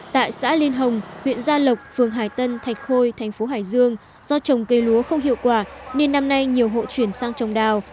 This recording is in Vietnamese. tại xã liên hồng huyện gia lộc phường hải tân thạch khôi thành phố hải dương do trồng cây lúa không hiệu quả nên năm nay nhiều hộ chuyển sang trồng đào